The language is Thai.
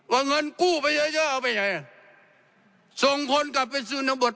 ว่าเงินกู้ไปเยอะเยอะเอาไปไหนส่งคนกลับไปซื้อน้ำบท